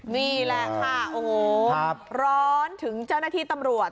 นี่แหละค่ะโอ้โหร้อนถึงเจ้าหน้าที่ตำรวจ